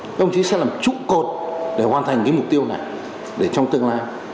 các đồng chí sẽ làm trụ cột để hoàn thành mục tiêu này để trong tương lai